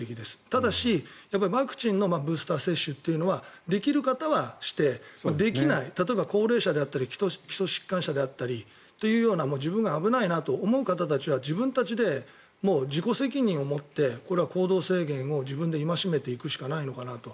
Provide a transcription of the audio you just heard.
ただし、ワクチンのブースター接種というのはできる方はして、できない例えば高齢者だったり基礎疾患者であったりというような自分が危ないなと思う方たちは自分たちで自己責任を持ってこれは行動制限を自分で戒めていくしかないのかなと。